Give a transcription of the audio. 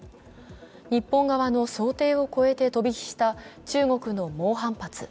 日本側の想定を超えて飛び火した中国の猛反発。